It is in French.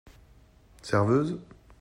Serveuse !